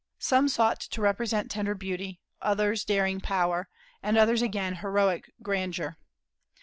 "Some sought to represent tender beauty, others daring power, and others again heroic grandeur."